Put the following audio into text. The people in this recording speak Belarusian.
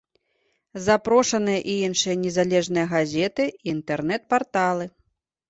Запрошаныя і іншыя незалежныя газеты, і інтэрнэт-парталы.